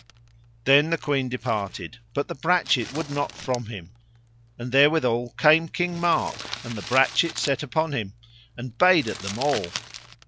Then the queen departed, but the brachet would not from him; and therewithal came King Mark, and the brachet set upon him, and bayed at them all.